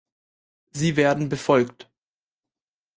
Sie werden befolgt.